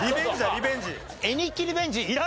リベンジ！